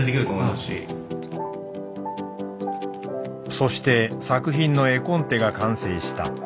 そして作品の絵コンテが完成した。